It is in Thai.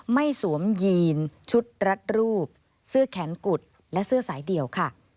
สวมยีนชุดรัดรูปเสื้อแขนกุดและเสื้อสายเดี่ยวค่ะ